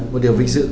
một điều vinh dự